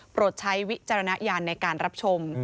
ใช้วิจารณญาณในการรับชม